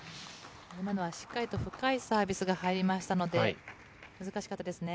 今のはしっかりと高いサーブが入りましたので、難しかったですね。